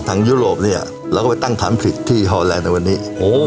ทางยุโรปเนี่ยเราก็ไปทำผลิตที่ฮอลแลนด์ในวันนี้โอ้